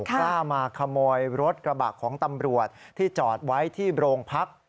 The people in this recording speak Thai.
กล้ามาขโมยรถกระบะของตำรวจที่จอดไว้ที่โรงพัก